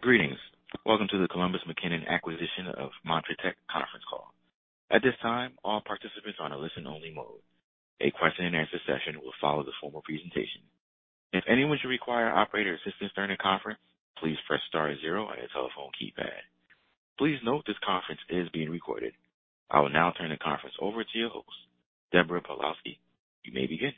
Greetings. Welcome to the Columbus McKinnon acquisition of montratec conference call. At this time, all participants are on a listen-only mode. A question-and-answer session will follow the formal presentation. If anyone should require operator assistance during the conference, please press star zero on your telephone keypad. Please note this conference is being recorded. I will now turn the conference over to your host, Deborah Pawlowski. You may begin.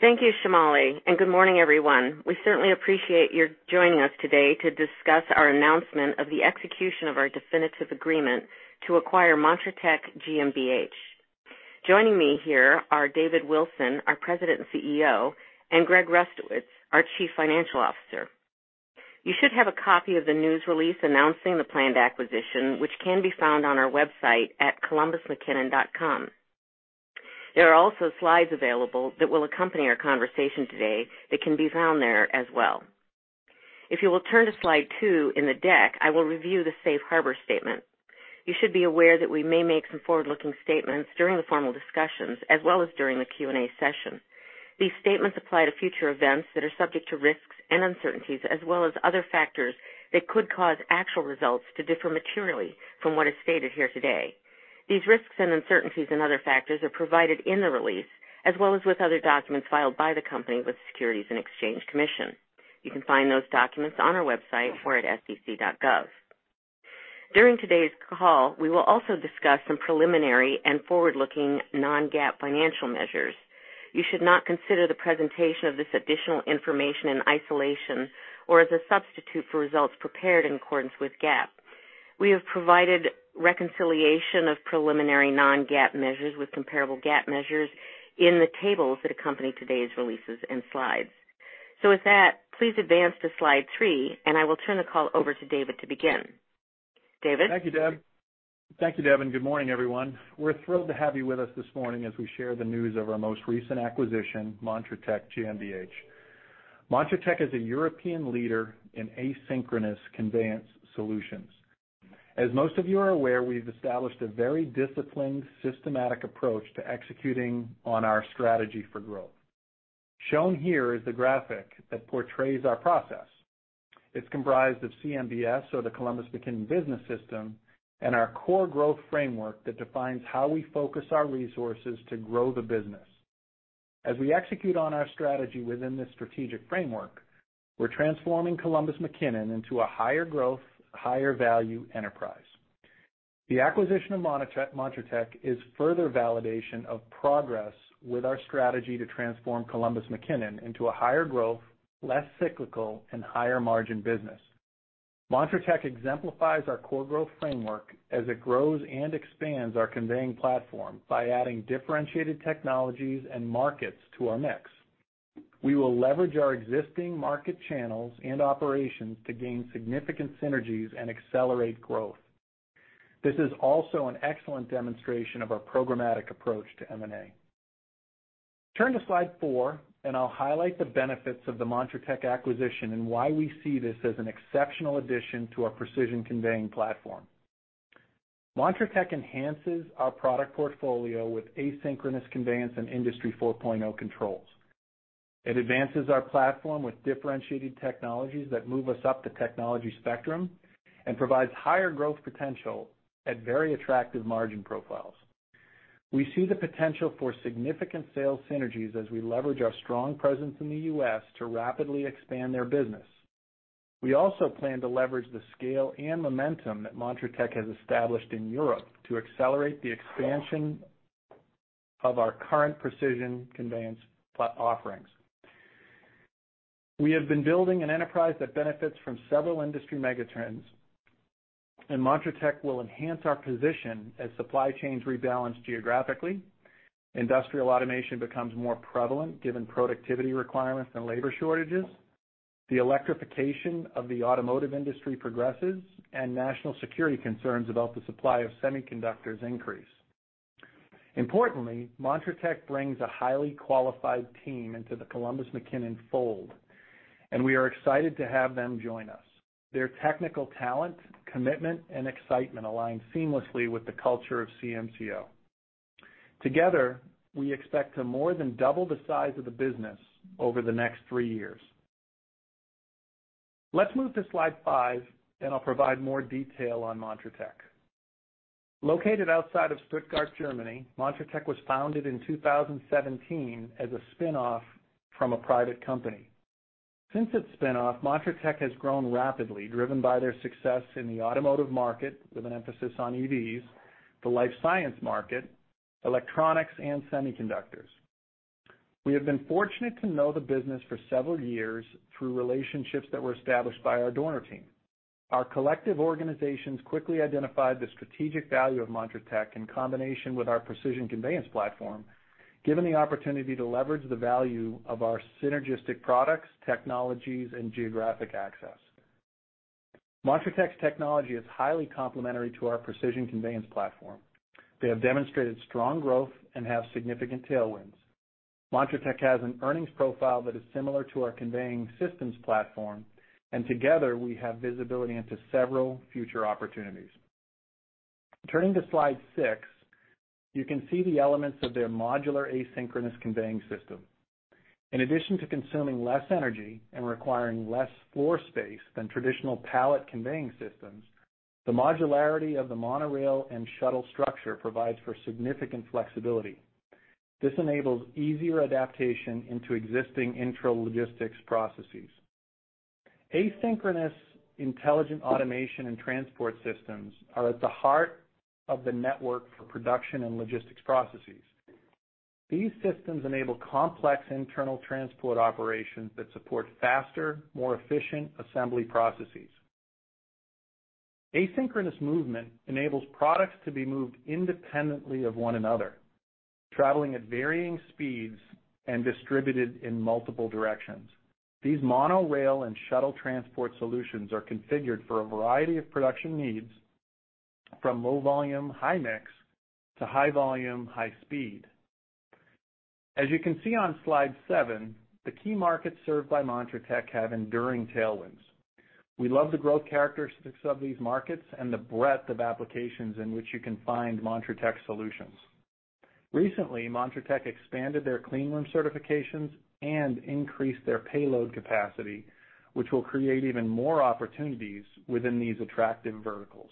Thank you, Shamali. And Good morning, everyone. We certainly appreciate your joining us today to discuss our announcement of the execution of our definitive agreement to acquire montratec GmbH. Joining me here are David Wilson, our President and CEO, and Greg Rustowicz, our Chief Financial Officer. You should have a copy of the news release announcing the planned acquisition, which can be found on our website at columbusmckinnon.com. There are also slides available that will accompany our conversation today that can be found there as well. If you will turn to slide two in the deck, I will review the Safe Harbor statement. You should be aware that we may make some forward-looking statements during the formal discussions as well as during the Q&A session. These statements apply to future events that are subject to risks and uncertainties as well as other factors that could cause actual results to differ materially from what is stated here today. These risks and uncertainties and other factors are provided in the release as well as with other documents filed by the company with Securities and Exchange Commission. You can find those documents on our website or at sec.gov. During today's call, we will also discuss some preliminary and forward-looking non-GAAP financial measures. You should not consider the presentation of this additional information in isolation or as a substitute for results prepared in accordance with GAAP. We have provided reconciliation of preliminary non-GAAP measures with comparable GAAP measures in the tables that accompany today's releases and slides. With that, please advance to slide three, and I will turn the call over to David to begin. David? Thank you, Deb. Thank you, Deb. Good morning, everyone. We're thrilled to have you with us this morning as we share the news of our most recent acquisition, montratec GmbH. montratec is a European leader in asynchronous conveyance solutions. Most of you are aware, we've established a very disciplined, systematic approach to executing on our strategy for growth. Shown here is the graphic that portrays our process. It's comprised of CMBS or the Columbus McKinnon Business System, and our core growth framework that defines how we focus our resources to grow the business. We execute on our strategy within this strategic framework, we're transforming Columbus McKinnon into a higher growth, higher value enterprise. The acquisition of montratec, is further validation of progress with our strategy to transform Columbus McKinnon into a higher growth, less cyclical, and higher margin business. montratec exemplifies our core growth framework as it grows and expands our conveying platform by adding differentiated technologies and markets to our mix. We will leverage our existing market channels and operations to gain significant synergies and accelerate growth. This is also an excellent demonstration of our programmatic approach to M&A. Turn to slide four, and I'll highlight the benefits of the montratec acquisition and why we see this as an exceptional addition to our precision conveying platform. montratec enhances our product portfolio with asynchronous conveyance and Industry 4.0 controls. It advances our platform with differentiated technologies that move us up the technology spectrum and provides higher growth potential at very attractive margin profiles. We see the potential for significant sales synergies as we leverage our strong presence in the U.S. to rapidly expand their business. We also plan to leverage the scale and momentum that Montratec has established in Europe to accelerate the expansion of our current precision conveyance offerings. We have been building an enterprise that benefits from several industry megatrends, and Montratec will enhance our position as supply chains rebalance geographically, industrial automation becomes more prevalent given productivity requirements and labor shortages, the electrification of the automotive industry progresses, and national security concerns about the supply of semiconductors increase. Importantly, Montratec brings a highly qualified team into the Columbus McKinnon fold, and we are excited to have them join us. Their technical talent, commitment, and excitement align seamlessly with the culture of CMCO. Together, we expect to more than double the size of the business over the next three years. Let's move to slide five, and I'll provide more detail on Montratec. Located outside of Stuttgart, Germany, Montratec was founded in 2017 as a spinoff from a private company. Since its spinoff, Montratec has grown rapidly, driven by their success in the automotive market with an emphasis on EVs, the life science market, electronics and semiconductors. We have been fortunate to know the business for several years through relationships that were established by our Dorner team. Our collective organizations quickly identified the strategic value of Montratec in combination with our precision conveyance platform, given the opportunity to leverage the value of our synergistic products, technologies, and geographic access. Montratec's technology is highly complementary to our precision conveyance platform. They have demonstrated strong growth and have significant tailwinds. montratec has an earnings profile that is similar to our conveying systems platform, and together we have visibility into several future opportunities. Turning to slide 6, you can see the elements of their modular asynchronous conveying system. In addition to consuming less energy and requiring less floor space than traditional pallet conveying systems, the modularity of the monorail and shuttle structure provides for significant flexibility. This enables easier adaptation into existing intralogistics processes. Asynchronous intelligent automation and transport systems are at the heart of the network for production and logistics processes. These systems enable complex internal transport operations that support faster, more efficient assembly processes. Asynchronous movement enables products to be moved independently of one another, traveling at varying speeds and distributed in multiple directions. These monorail and shuttle transport solutions are configured for a variety of production needs, from low volume, high mix, to high volume, high speed. As you can see on slide seven, the key markets served by montratec have enduring tailwinds. We love the growth characteristics of these markets and the breadth of applications in which you can find montratec solutions. Recently, montratec expanded their clean room certifications and increased their payload capacity, which will create even more opportunities within these attractive verticals.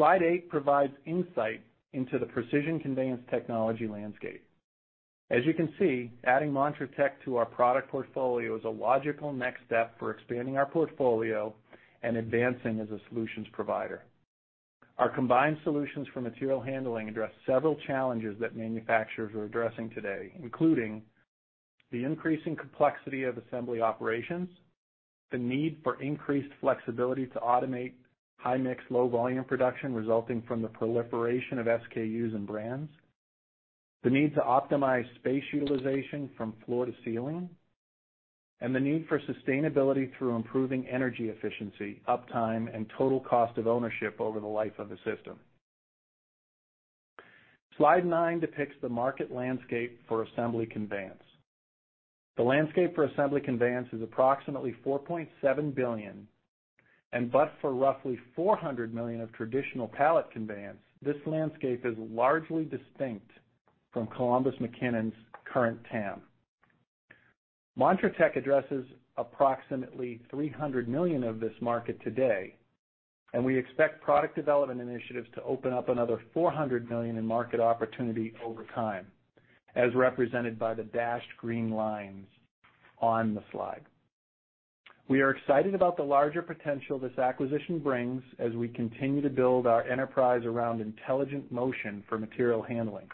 Slide 8 provides insight into the precision conveyance technology landscape. As you can see, adding montratec to our product portfolio is a logical next step for expanding our portfolio and advancing as a solutions provider. Our combined solutions for material handling address several challenges that manufacturers are addressing today, including the increasing complexity of assembly operations, the need for increased flexibility to automate high-mix, low-volume production resulting from the proliferation of SKUs and brands, the need to optimize space utilization from floor to ceiling, and the need for sustainability through improving energy efficiency, uptime, and total cost of ownership over the life of the system. Slide 9 depicts the market landscape for assembly conveyance. The landscape for assembly conveyance is approximately $4.7 billion, and but for roughly $400 million of traditional pallet conveyance, this landscape is largely distinct from Columbus McKinnon's current TAM. montratec addresses approximately $300 million of this market today, and we expect product development initiatives to open up another $400 million in market opportunity over time, as represented by the dashed green lines on the slide. We are excited about the larger potential this acquisition brings as we continue to build our enterprise around intelligent motion for material handling.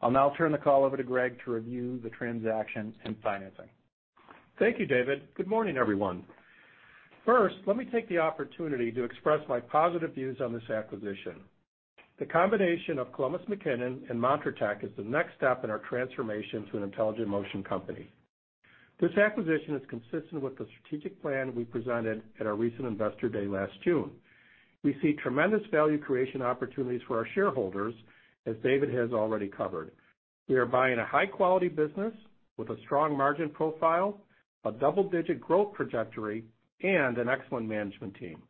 I'll now turn the call over to Greg to review the transaction and financing. Thank you, David. Good morning, everyone. First, let me take the opportunity to express my positive views on this acquisition. The combination of Columbus McKinnon and montratec is the next step in our transformation to an intelligent motion company. This acquisition is consistent with the strategic plan we presented at our recent Investor Day last June. We see tremendous value creation opportunities for our shareholders, as David has already covered. We are buying a high-quality business with a strong margin profile, a double-digit growth trajectory, and an excellent management team.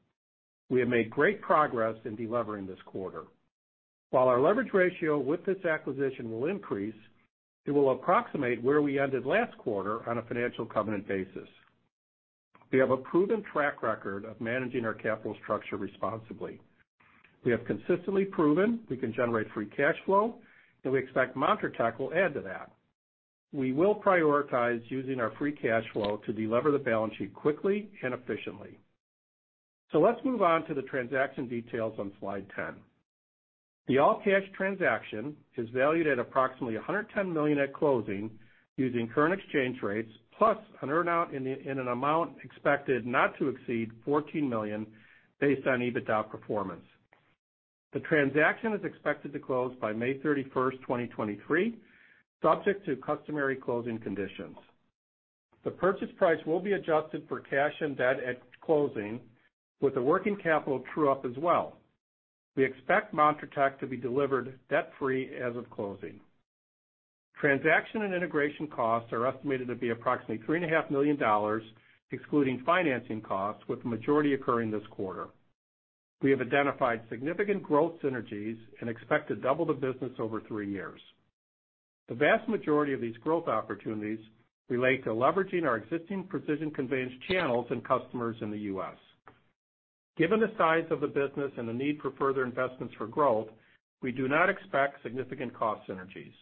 We have made great progress in delevering this quarter. While our leverage ratio with this acquisition will increase, it will approximate where we ended last quarter on a financial covenant basis. We have a proven track record of managing our capital structure responsibly. We have consistently proven we can generate free cash flow, we expect montratec will add to that. We will prioritize using our free cash flow to delever the balance sheet quickly and efficiently. Let's move on to the transaction details on slide 10. The all-cash transaction is valued at approximately $110 million at closing using current exchange rates, plus an earn-out in an amount expected not to exceed $14 million based on EBITDA performance. The transaction is expected to close by May 31, 2023, subject to customary closing conditions. The purchase price will be adjusted for cash and debt at closing, with the working capital true-up as well. We expect montratec to be delivered debt-free as of closing. Transaction and integration costs are estimated to be approximately $3.5 million, excluding financing costs, with the majority occurring this quarter. We have identified significant growth synergies and expect to double the business over 3 years. The vast majority of these growth opportunities relate to leveraging our existing precision conveyance channels and customers in the US. Given the size of the business and the need for further investments for growth, we do not expect significant cost synergies.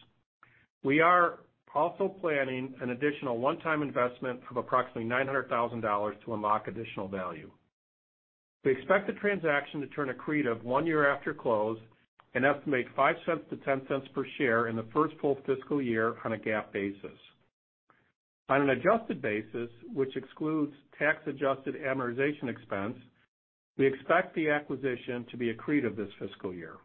We are also planning an additional one-time investment of approximately $900,000 to unlock additional value. We expect the transaction to turn accretive one year after close and estimate $0.05-$0.10 per share in the first full fiscal year on a GAAP basis. On an adjusted basis, which excludes tax-adjusted amortization expense, we expect the acquisition to be accretive this fiscal year.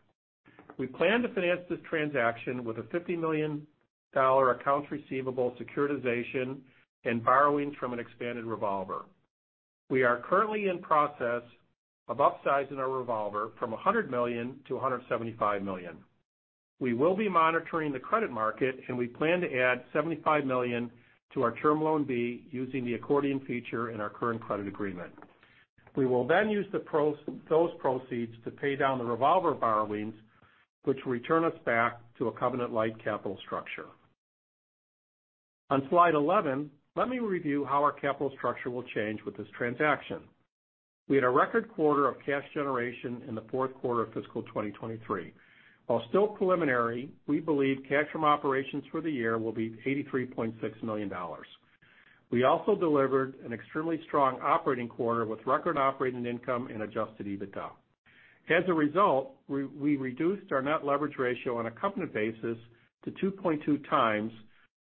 We plan to finance this transaction with a $50 million accounts receivable securitization and borrowings from an expanded revolver. We are currently in process of upsizing our revolver from $100 million to $175 million. We will be monitoring the credit market, we plan to add $75 million to our term loan B using the accordion feature in our current credit agreement. We will use those proceeds to pay down the revolver borrowings, which will return us back to a covenant-lite capital structure. On slide 11, let me review how our capital structure will change with this transaction. We had a record quarter of cash generation in the fourth quarter of fiscal 2023. While still preliminary, we believe cash from operations for the year will be $83.6 million. We also delivered an extremely strong operating quarter with record operating income and adjusted EBITDA. As a result, we reduced our net leverage ratio on a covenant basis to 2.2 times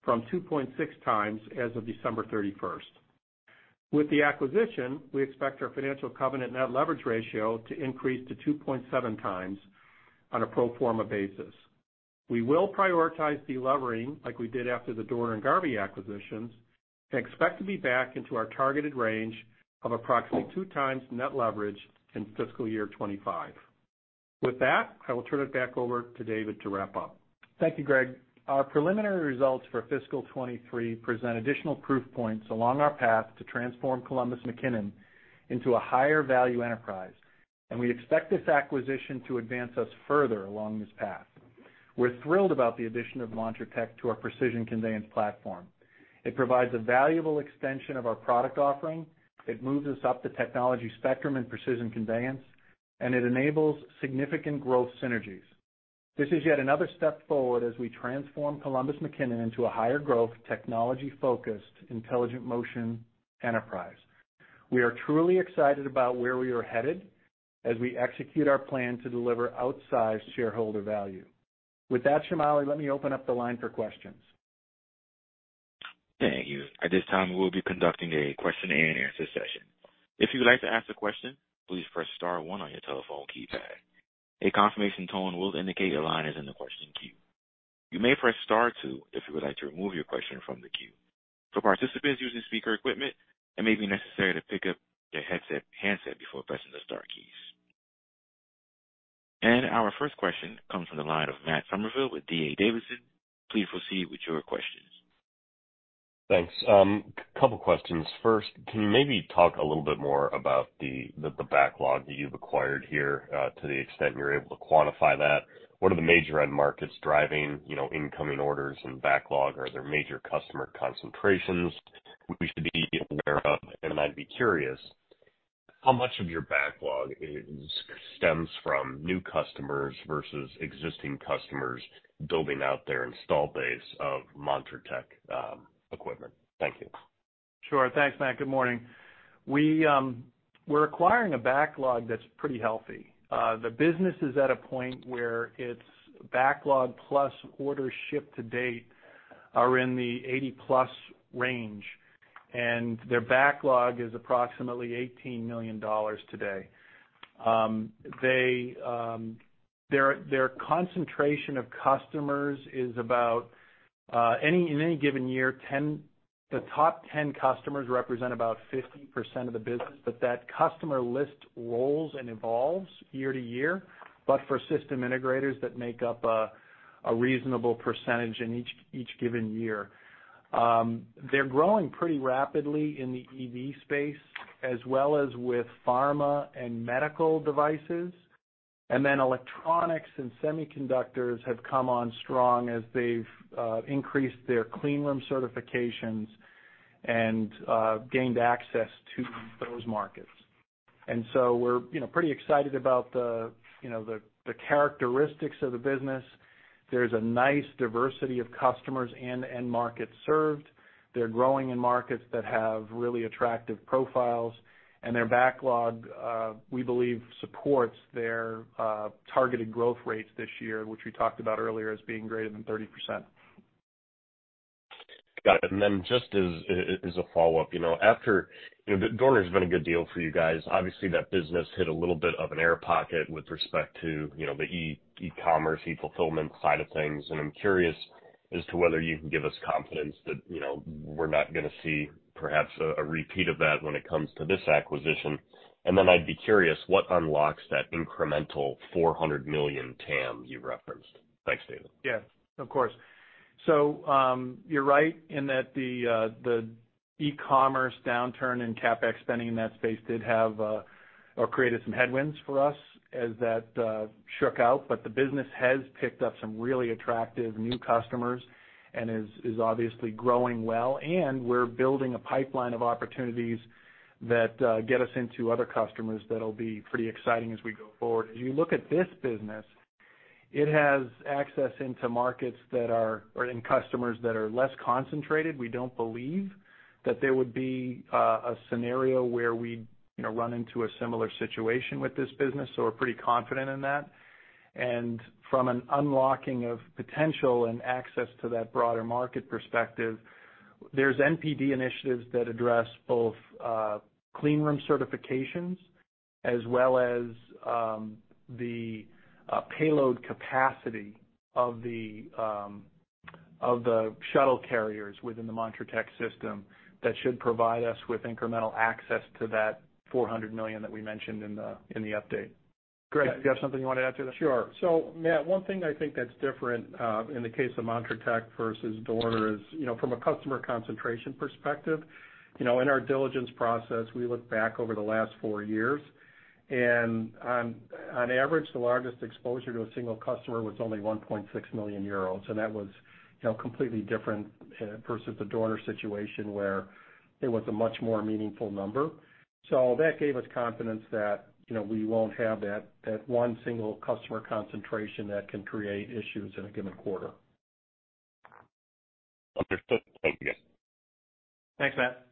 from 2.6 times as of December 31st. With the acquisition, we expect our financial covenant net leverage ratio to increase to 2.7 times on a pro forma basis. We will prioritize delevering like we did after the Dorner and Garvey acquisitions and expect to be back into our targeted range of approximately 2 times net leverage in fiscal year 2025. With that, I will turn it back over to David to wrap up. Thank you, Greg. Our preliminary results for fiscal 23 present additional proof points along our path to transform Columbus McKinnon into a higher value enterprise. We expect this acquisition to advance us further along this path. We're thrilled about the addition of montratec to our precision conveyance platform. It provides a valuable extension of our product offering, it moves us up the technology spectrum in precision conveyance. It enables significant growth synergies. This is yet another step forward as we transform Columbus McKinnon into a higher growth, technology-focused, intelligent motion enterprise. We are truly excited about where we are headed as we execute our plan to deliver outsized shareholder value. With that, Shamali, let me open up the line for questions. Thank you. At this time, we'll be conducting a question-and-answer session. If you'd like to ask a question, please press star one on your telephone keypad. A confirmation tone will indicate your line is in the question queue. You may press star two if you would like to remove your question from the queue. For participants using speaker equipment, it may be necessary to pick up your headset, handset before pressing the star keys. Our first question comes from the line of Matt Summerville with D.A. Davidson. Please proceed with your questions. Thanks. Couple questions. First, can you maybe talk a little bit more about the backlog that you've acquired here, to the extent you're able to quantify that? What are the major end markets driving, you know, incoming orders and backlog? Are there major customer concentrations we should be aware of? I'd be curious, how much of your backlog is, stems from new customers versus existing customers building out their install base of montratec equipment? Thank you. Sure. Thanks, Matt. Good morning. We're acquiring a backlog that's pretty healthy. The business is at a point where its backlog plus orders shipped to date are in the 80-plus range, and their backlog is approximately $18 million today. Their concentration of customers is about in any given year, the top 10 customers represent about 50% of the business, but that customer list rolls and evolves year to year. For system integrators, that make up a reasonable percentage in each given year. They're growing pretty rapidly in the EV space, as well as with pharma and medical devices. Then electronics and semiconductors have come on strong as they've increased their clean room certifications and gained access to those markets. We're, you know, pretty excited about the, you know, the characteristics of the business. There's a nice diversity of customers and end markets served. They're growing in markets that have really attractive profiles. Their backlog, we believe, supports their targeted growth rates this year, which we talked about earlier as being greater than 30%. Got it. Just as a follow-up, you know, after, you know, Dorner's been a good deal for you guys. Obviously, that business hit a little bit of an air pocket with respect to, you know, the e-commerce, e-fulfillment side of things, I'm curious as to whether you can give us confidence that, you know, we're not gonna see perhaps a repeat of that when it comes to this acquisition. Then I'd be curious what unlocks that incremental $400 million TAM you referenced. Thanks, David. Yes, of course. You're right in that the e-commerce downturn in CapEx spending in that space did have or created some headwinds for us as that shook out. The business has picked up some really attractive new customers and is obviously growing well, and we're building a pipeline of opportunities that get us into other customers that'll be pretty exciting as we go forward. As you look at this business, it has access into markets that are, and customers that are less concentrated. We don't believe that there would be a scenario where we, you know, run into a similar situation with this business, so we're pretty confident in that. From an unlocking of potential and access to that broader market perspective, there's NPD initiatives that address both clean room certifications as well as the payload capacity of the shuttle carriers within the montratec system that should provide us with incremental access to that $400 million that we mentioned in the update. Greg, do you have something you want to add to that? Sure. Matt, one thing I think that's different in the case of montratec versus Dorner is, you know, from a customer concentration perspective, you know, in our diligence process, we look back over the last four years, on average, the largest exposure to a single customer was only 1.6 million euros, that was, you know, completely different versus the Dorner situation where it was a much more meaningful number. That gave us confidence that, you know, we won't have that one single customer concentration that can create issues in a given quarter. Understood. Thank you, guys. Thanks, Matt.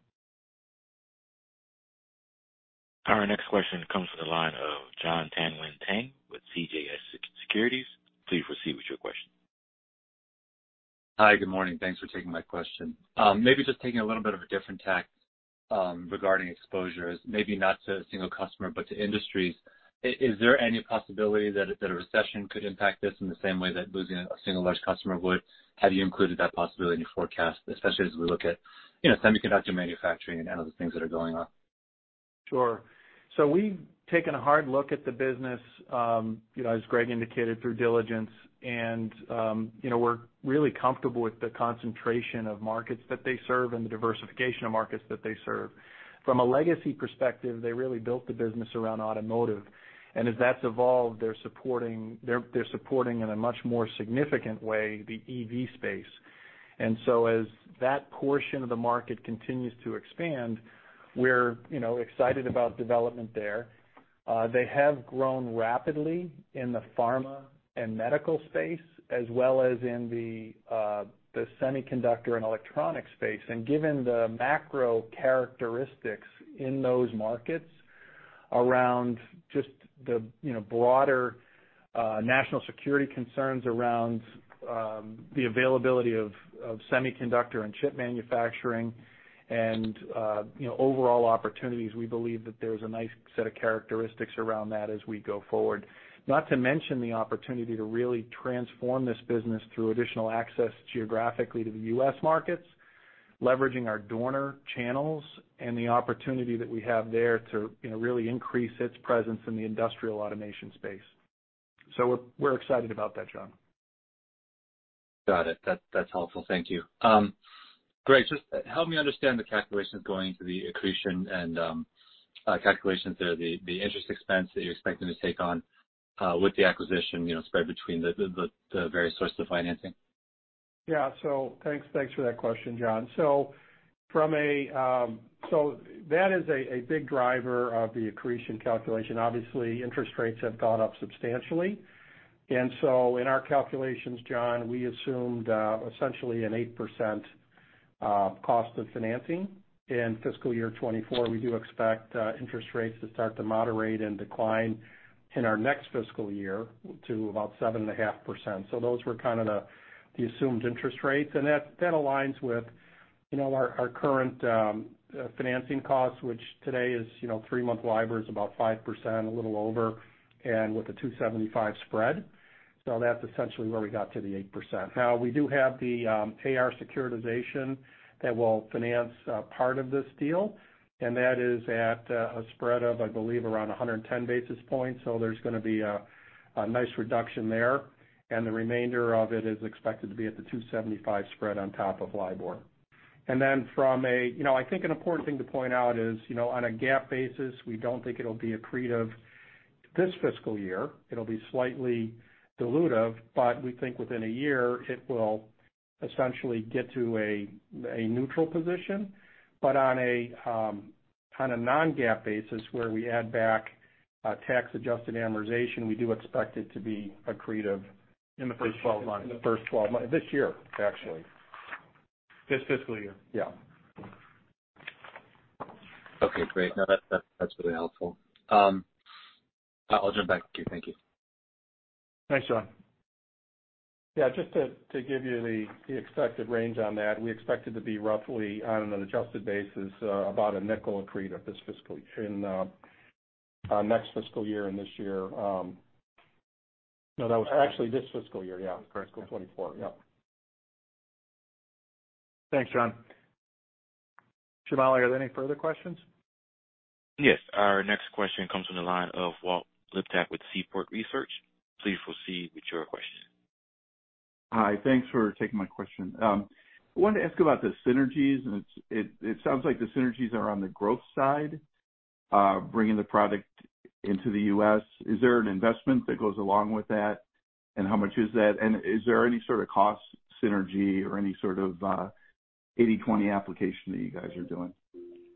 Our next question comes from the line of Jon Tanwanteng with CJS Securities. Please proceed with your question. Hi, good morning. Thanks for taking my question. Maybe just taking a little bit of a different tact, regarding exposures, maybe not to a single customer, but to industries. Is there any possibility that a recession could impact this in the same way that losing a single large customer would? Have you included that possibility in your forecast, especially as we look at, you know, semiconductor manufacturing and other things that are going on? Sure. We've taken a hard look at the business, you know, as Greg indicated, through diligence, and, you know, we're really comfortable with the concentration of markets that they serve and the diversification of markets that they serve. From a legacy perspective, they really built the business around automotive. As that's evolved, they're supporting in a much more significant way, the EV space. As that portion of the market continues to expand, we're, you know, excited about development there. They have grown rapidly in the pharma and medical space, as well as in the semiconductor and electronic space. Given the macro characteristics in those markets around just the, you know, broader national security concerns around the availability of semiconductor and chip manufacturing and, you know, overall opportunities, we believe that there's a nice set of characteristics around that as we go forward. Not to mention the opportunity to really transform this business through additional access geographically to the U.S. markets, leveraging our Dorner channels, and the opportunity that we have there to, you know, really increase its presence in the industrial automation space. We're excited about that, John. Got it. That's helpful. Thank you. Greg, just help me understand the calculations going into the accretion and calculations there, the interest expense that you're expecting to take on with the acquisition, you know, spread between the various sources of financing? Thanks for that question, Jon. So from a, so that is a big driver of the accretion calculation. Obviously, interest rates have gone up substantially. In our calculations, Jon, we assumed essentially an 8% cost of financing. In fiscal year 2024, we do expect interest rates to start to moderate and decline in our next fiscal year to about 7.5%. Those were kind of the assumed interest rates. That aligns with, you know, our current financing costs, which today is, you know, three month LIBOR is about 5%, a little over, and with a 275 spread. That's essentially where we got to the 8%. We do have the AR securitization that will finance part of this deal, and that is after a spread of, I believe, around 110 basis points. There's gonna be a nice reduction there. The remainder of it is expected to be at the 275 spread on top of LIBOR. You know, I think an important thing to point out is, you know, on a GAAP basis, we don't think it'll be accretive this fiscal year. It'll be slightly dilutive, but we think within a year it will essentially get to a neutral position. On a non-GAAP basis where we add back tax-adjusted amortization, we do expect it to be accretive- In the first 12 months. In the first 12 months. This year, actually. This fiscal year. Yeah. Okay, great. No, that's really helpful. I'll jump back to you. Thank you. Thanks, Jon. Yeah, just to give you the expected range on that, we expect it to be roughly on an adjusted basis, about $0.05 accretive this fiscal, in next fiscal year and this year. No, that was actually this fiscal year. Yeah. Fiscal 2024. Yeah. Thanks, Jon. Shamali, are there any further questions? Yes. Our next question comes from the line of Walt Liptak with Seaport Research. Please proceed with your question. Hi. Thanks for taking my question. I wanted to ask about the synergies, it sounds like the synergies are on the growth side, bringing the product into the U.S. Is there an investment that goes along with that? How much is that? Is there any sort of cost synergy or any sort of 80/20 application that you guys are doing?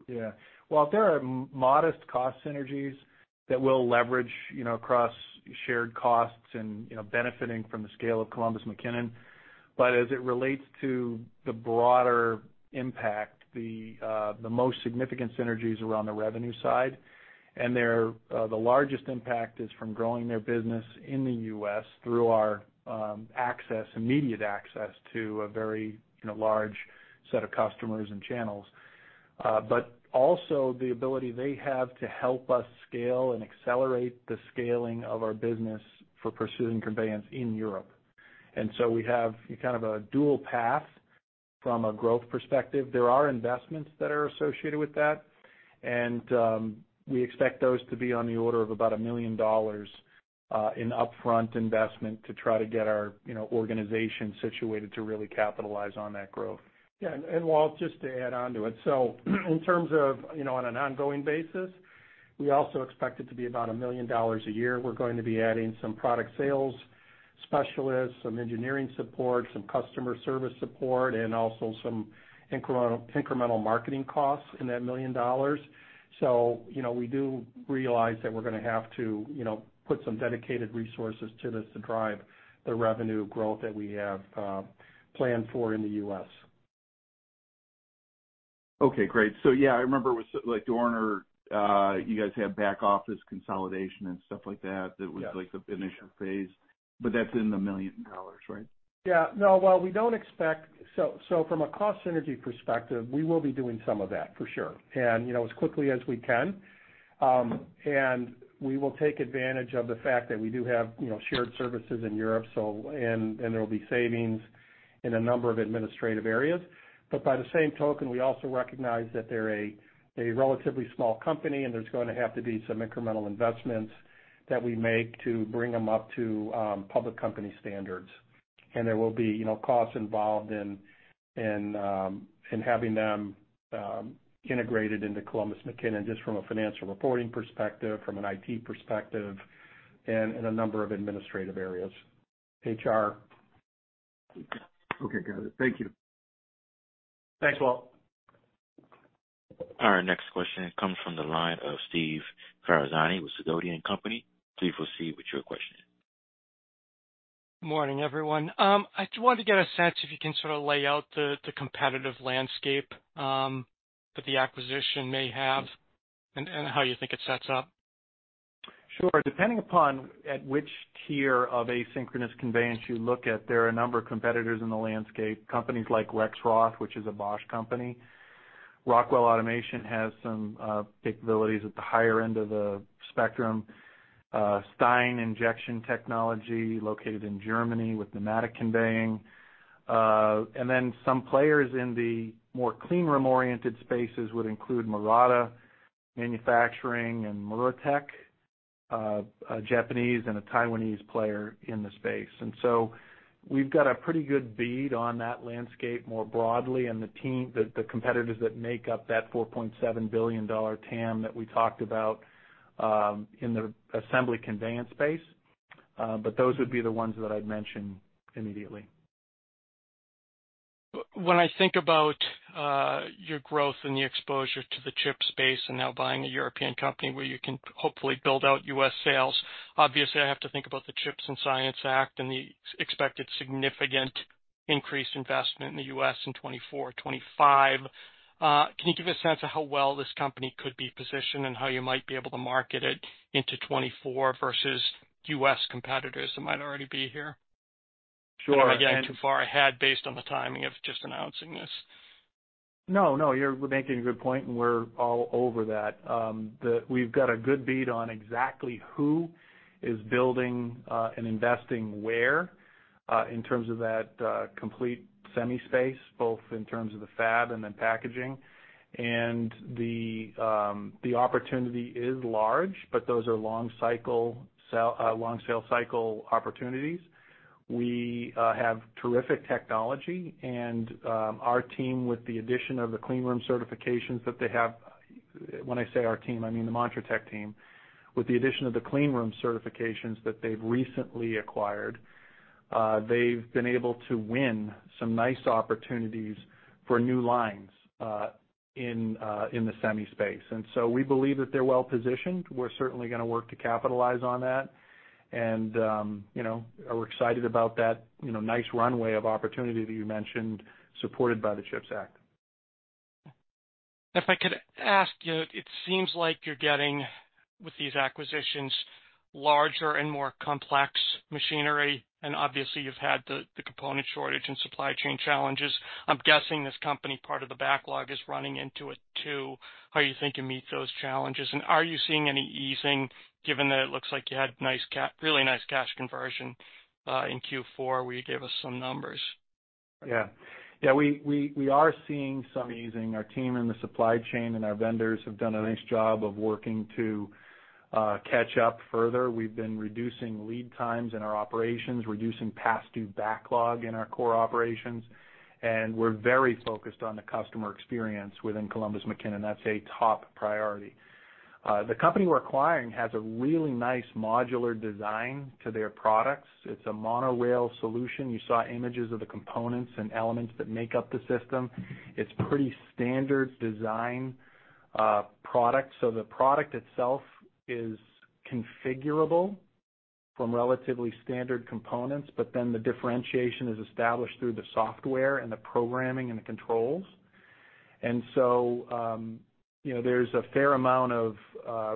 Yeah. Walt, there are modest cost synergies that we'll leverage, you know, across shared costs and, you know, benefiting from the scale of Columbus McKinnon. As it relates to the broader impact, the most significant synergies are on the revenue side, and they're the largest impact is from growing their business in the U.S. through our access, immediate access to a very, you know, large set of customers and channels. But also the ability they have to help us scale and accelerate the scaling of our business for pursuing conveyance in Europe. We have kind of a dual path from a growth perspective. There are investments that are associated with that, and, we expect those to be on the order of about $1 million, in upfront investment to try to get our, you know, organization situated to really capitalize on that growth. Yeah. Walt, just to add on to it. In terms of, you know, on an ongoing basis, we also expect it to be about $1 million a year. We're going to be adding some product sales specialists, some engineering support, some customer service support, and also some incremental marketing costs in that $1 million. You know, we do realize that we're gonna have to, you know, put some dedicated resources to this to drive the revenue growth that we have planned for in the U.S. Okay, great. Yeah, I remember with, like, Dorner, you guys had back office consolidation and stuff like that. Yes. That was like the initial phase, but that's in the million dollars, right? Yeah. No. Well, we don't expect. From a cost synergy perspective, we will be doing some of that for sure, and, you know, as quickly as we can. We will take advantage of the fact that we do have, you know, shared services in Europe, so, and there will be savings in a number of administrative areas. By the same token, we also recognize that they're a relatively small company, and there's gonna have to be some incremental investments that we make to bring them up to public company standards. There will be, you know, costs involved in having them integrated into Columbus McKinnon, just from a financial reporting perspective, from an IT perspective, and in a number of administrative areas, HR. Okay, got it. Thank you. Thanks, Walt. Our next question comes from the line of Steve Ferazani with Sidoti & Company. Steve, we'll see what your question is. Morning, everyone. I just wanted to get a sense if you can sort of lay out the competitive landscape that the acquisition may have and how you think it sets up? Sure. Depending upon at which tier of asynchronous conveyance you look at, there are a number of competitors in the landscape. Companies like Rexroth, which is a Bosch company. Rockwell Automation has some capabilities at the higher end of the spectrum. Stein Injection Technology, located in Germany with pneumatic conveying. Some players in the more clean room oriented spaces would include Murata Manufacturing and Muratec, a Japanese and a Taiwanese player in the space. We've got a pretty good bead on that landscape more broadly. The team, the competitors that make up that $4.7 billion TAM that we talked about in the assembly conveyance space. Those would be the ones that I'd mention immediately. When I think about your growth and the exposure to the chip space and now buying a European company where you can hopefully build out US sales, obviously I have to think about the CHIPS and Science Act and the expected significant increased investment in the US in 2024, 2025. Can you give a sense of how well this company could be positioned and how you might be able to market it into 2024 versus US competitors that might already be here? Sure. Am I getting too far ahead based on the timing of just announcing this? No, no, you're making a good point, and we're all over that. We've got a good bead on exactly who is building, and investing where, in terms of that, complete semi space, both in terms of the fab and then packaging. The opportunity is large, but those are long cycle long sales cycle opportunities. We, have terrific technology, and, our team, with the addition of the clean room certifications that they have. When I say our team, I mean, the montratec team. With the addition of the clean room certifications that they've recently acquired, they've been able to win some nice opportunities for new lines, in the semi space. We believe that they're well positioned. We're certainly gonna work to capitalize on that and, you know, are excited about that, you know, nice runway of opportunity that you mentioned, supported by the CHIPS Act. If I could ask you, it seems like you're getting, with these acquisitions, larger and more complex machinery, and obviously you've had the component shortage and supply chain challenges. I'm guessing this company, part of the backlog is running into it too. How you think you meet those challenges? Are you seeing any easing given that it looks like you had really nice cash conversion in Q4, where you gave us some numbers? Yeah. Yeah, we are seeing some easing. Our team in the supply chain and our vendors have done a nice job of working to catch up further. We've been reducing lead times in our operations, reducing past due backlog in our core operations. We're very focused on the customer experience within Columbus McKinnon. That's a top priority. The company we're acquiring has a really nice modular design to their products. It's a monorail solution. You saw images of the components and elements that make up the system. It's pretty standard design product. The product itself is configurable from relatively standard components, but then the differentiation is established through the software and the programming and the controls. You know, there's a fair amount of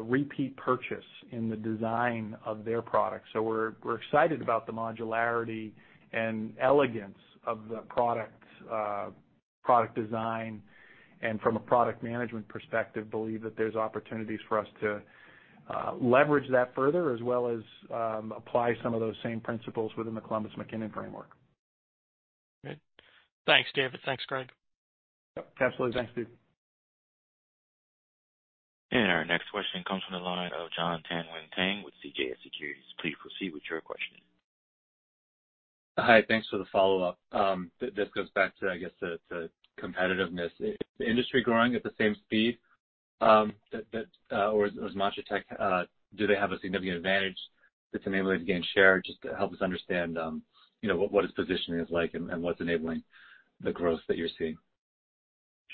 repeat purchase in the design of their products. We're excited about the modularity and elegance of the product design, and from a product management perspective, believe that there's opportunities for us to leverage that further as well as apply some of those same principles within the Columbus McKinnon framework. Good. Thanks, David. Thanks, Greg. Absolutely. Thanks, Steve. Our next question comes from the line of Jon Tanwanteng with CJS Securities. Please proceed with your question. Hi, thanks for the follow-up. This goes back to, I guess, the competitiveness. Is the industry growing at the same speed that or is montratec do they have a significant advantage that's enabling to gain share? Just to help us understand, you know, what its positioning is like and what's enabling the growth that you're seeing.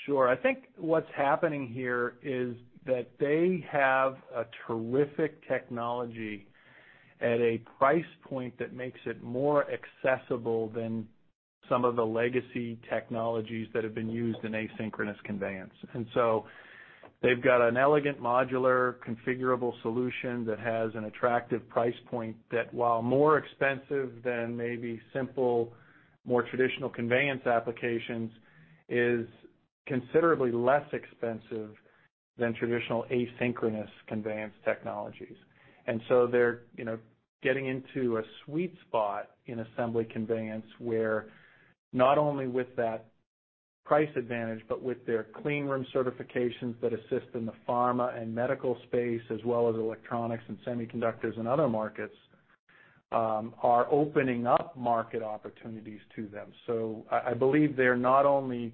Sure. I think what's happening here is that they have a terrific technology at a price point that makes it more accessible than some of the legacy technologies that have been used in asynchronous conveyance. They've got an elegant modular configurable solution that has an attractive price point that, while more expensive than maybe simple, more traditional conveyance applications, is considerably less expensive than traditional asynchronous conveyance technologies. They're, you know, getting into a sweet spot in assembly conveyance where not only with that price advantage, but with their clean room certifications that assist in the pharma and medical space as well as electronics and semiconductors and other markets, are opening up market opportunities to them. I believe they're not only,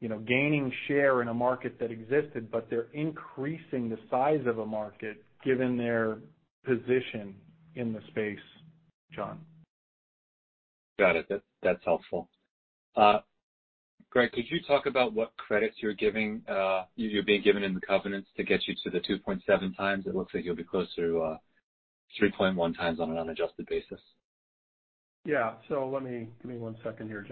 you know, gaining share in a market that existed, but they're increasing the size of a market given their position in the space, John. Got it. That, that's helpful. Greg, could you talk about what credits you're giving, you're being given in the covenants to get you to the 2.7 times? It looks like you'll be closer to, 3.1 times on an unadjusted basis. Yeah. Give me one second here,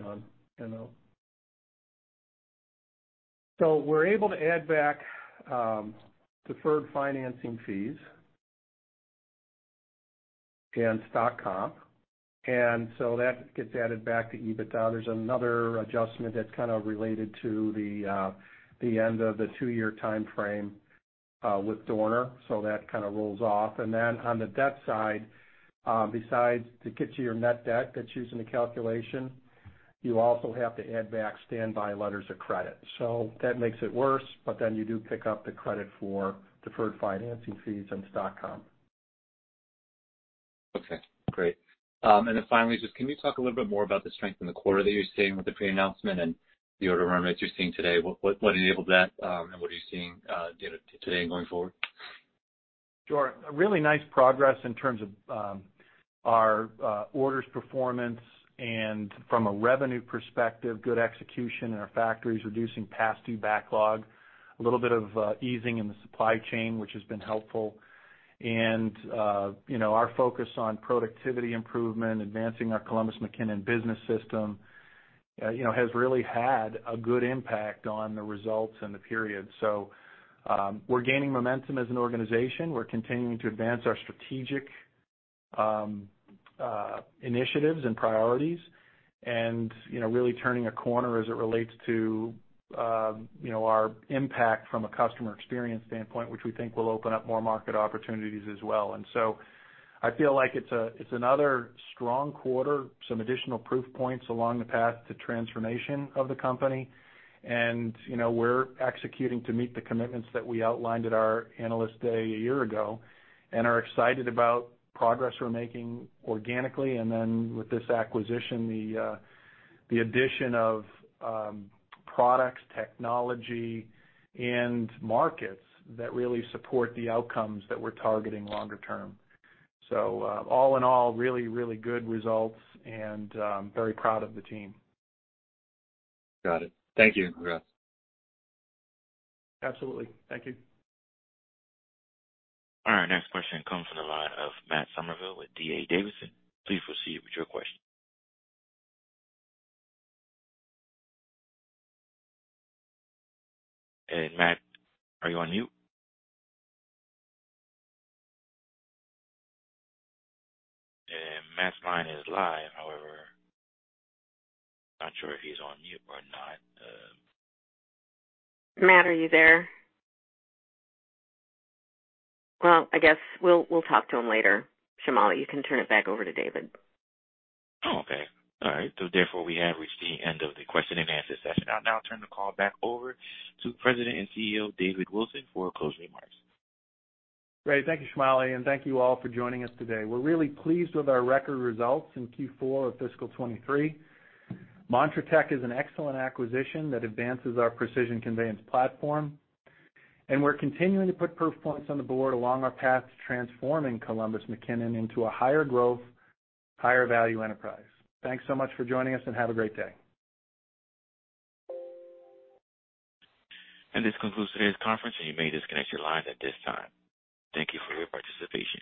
Jon. We're able to add back deferred financing fees and stock comp, and so that gets added back to EBITDA. There's another adjustment that's kind of related to the end of the two year timeframe with Dorner. That kind of rolls off. Then on the debt side, besides to get to your net debt that's used in the calculation, you also have to add back standby letters of credit. That makes it worse, but then you do pick up the credit for deferred financing fees and stock comp. Okay, great. Finally, just can you talk a little bit more about the strength in the quarter that you're seeing with the pre-announcement and the order run rates you're seeing today? What enabled that, and what are you seeing today and going forward? Sure. A really nice progress in terms of our orders performance and from a revenue perspective, good execution in our factories, reducing past due backlog, a little bit of easing in the supply chain, which has been helpful. And you know, our focus on productivity improvement, advancing our Columbus McKinnon Business System, and you know, has really had a good impact on the results and the period. We're gaining momentum as an organization. We're continuing to advance our strategic initiatives and priorities and, you know, really turning a corner as it relates to, you know, our impact from a customer experience standpoint, which we think will open up more market opportunities as well. I feel like it's another strong quarter, some additional proof points along the path to transformation of the company. You know, we're executing to meet the commitments that we outlined at our Analyst Day a year ago and are excited about progress we're making organically, and then with this acquisition, the addition of products, technology, and markets that really support the outcomes that we're targeting longer term. All in all, really, really good results and very proud of the team. Got it. Thank you, Greg. Absolutely. Thank you. All right, next question comes from the line of Matt Summerville with D.A. Davidson. Please proceed with your question. Matt, are you on mute? Matt's line is live. However, not sure if he's on mute or not. Matt, are you there? Well, I guess we'll talk to him later. Shamali, you can turn it back over to David. Therefore, we have reached the end of the question and answer session. I'll now turn the call back over to President and CEO, David Wilson for closing remarks. Great. Thank you, Shamali, and thank you all for joining us today. We're really pleased with our record results in Q4 of fiscal 2023. montratec is an excellent acquisition that advances our precision conveyance platform, and we're continuing to put performance on the board along our path to transforming Columbus McKinnon into a higher growth, higher value enterprise. Thanks so much for joining us, and have a great day. This concludes today's conference, and you may disconnect your lines at this time. Thank you for your participation.